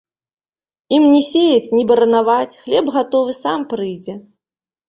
Ім ні сеяць, ні баранаваць, хлеб гатовы сам прыйдзе.